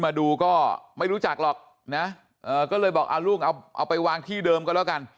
มาดูก็ไม่รู้จักหรอกนะก็เลยบอกลูกเอาไปวางที่เดิมก็แล้วกัน